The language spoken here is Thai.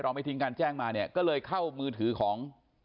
ไม่ทิ้งการแจ้งมาเนี่ยก็เลยเข้ามือถือของ